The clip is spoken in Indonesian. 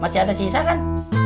masih ada sisa kan